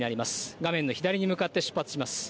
画面の左に向かって出発します。